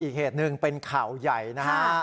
อีกเหตุหนึ่งเป็นข่าวใหญ่นะฮะ